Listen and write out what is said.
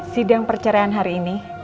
sidang perceraian hari ini